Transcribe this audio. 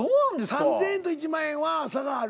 ３０００円と１万円は差がある。